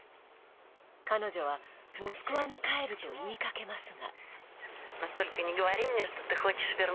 彼女はモスクワに帰ると言いかけますが。